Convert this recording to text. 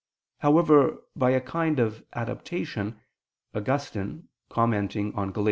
However, by a kind of adaptation, Augustine, commenting on Gal.